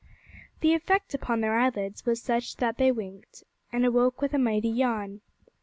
The effect upon their eyelids was such that they winked, and awoke with a mighty yawn.